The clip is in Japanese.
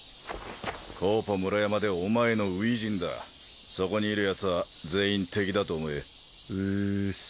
コーポ村山でお前の初陣だそこにいるヤツは全員敵だと思えうっす